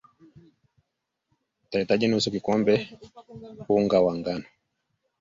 utahitaji nusu kikombe nga wa ngano